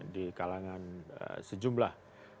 di kalangan sejumlah